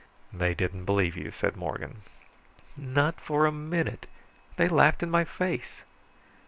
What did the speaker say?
"They didn't believe you," said Morgan. "Not for a minute. They laughed in my face."